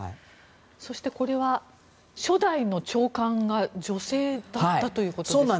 これは初代の長官が女性だったということですね。